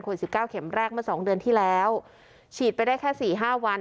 สิบเก้าเข็มแรกเมื่อสองเดือนที่แล้วฉีดไปได้แค่สี่ห้าวัน